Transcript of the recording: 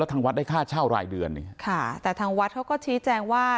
ทางวัดได้ค่าเช่ารายเดือนเนี่ยค่ะแต่ทางวัดเขาก็ชี้แจงว่า